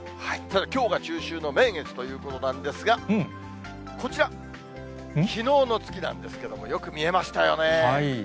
きょうが中秋の名月ということなんですが、こちら、きのうの月なんですけども、よく見えましたよね。